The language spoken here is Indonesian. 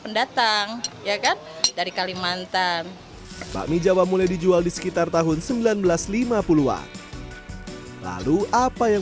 pendatang ya kan dari kalimantan bakmi jawa mulai dijual di sekitar tahun seribu sembilan ratus lima puluh an lalu apa yang